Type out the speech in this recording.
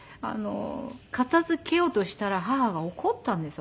片付けようとしたら母が怒ったんですよ